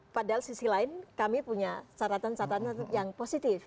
padahal sisi lain kami punya catatan catatan yang positif